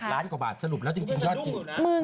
ล้านกว่าบาทสรุปแล้วจริงยอดจริง